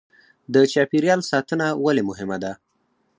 د چاپیریال ساتنه ولې مهمه ده